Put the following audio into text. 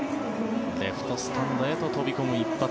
レフトスタンドへと飛び込む一発。